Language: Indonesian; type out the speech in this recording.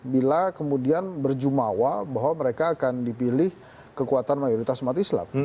bila kemudian berjumawa bahwa mereka akan dipilih kekuatan mayoritas umat islam